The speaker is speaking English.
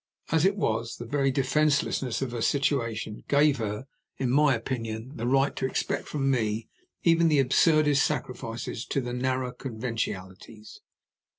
As it was, the very defenselessness of her situation gave her, in my opinion, the right to expect from me even the absurdest sacrifices to the narrowest conventionalities.